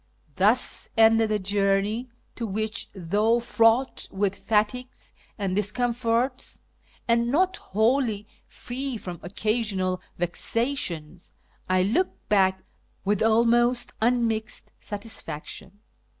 Thus ended a journey to which, though fraught with fatigues and discomforts, and not wholly free from occasional vexations, I look back with almost unmixed satisfaction.